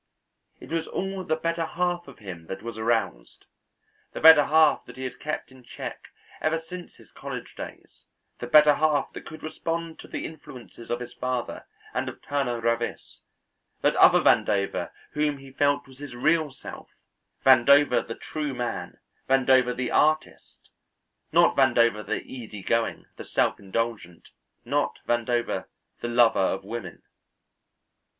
It was all the better half of him that was aroused the better half that he had kept in check ever since his college days, the better half that could respond to the influences of his father and of Turner Ravis, that other Vandover whom he felt was his real self, Vandover the true man, Vandover the artist, not Vandover the easy going, the self indulgent, not Vandover the lover of women.